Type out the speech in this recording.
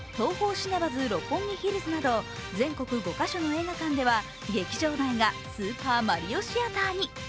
シネマズ六本木ヒルズなど全国５か所の映画館では劇場内がスーパーマリオシアターに。